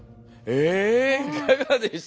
え！